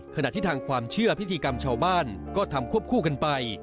ขณะที่ทางความเชื่อพิธีกรรมชาวบ้านก็ทำควบคู่กันไป